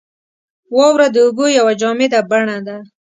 • واوره د اوبو یوه جامده بڼه ده.